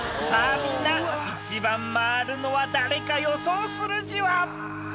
みんな一番回るのは誰か予想するじわ。